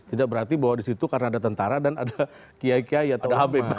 tidak berarti bahwa disitu karena ada tentara dan ada kiai kiai atau umat